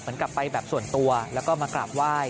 กลับไปแบบส่วนตัวแล้วก็มากราบไหว้